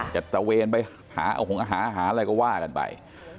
ตะเวนไปหาหาอะไรก็ว่ากันไป